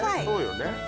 そうよね